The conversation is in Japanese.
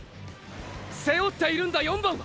背負っているんだ“４番”は！！